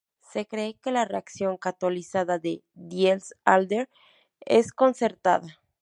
Se cree que la reacción catalizada de Diels-Alder es concertada.